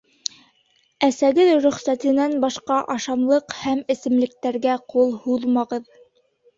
Әсәгеҙ рөхсәтенән башҡа ашамлыҡ һәм эсемлектәргә ҡул һуҙмағыҙ.